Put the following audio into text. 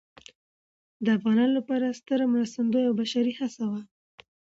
د افغانانو لپاره ستره مرستندویه او بشري هڅه وه.